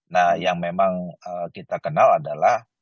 nah yang memang kita kenal adalah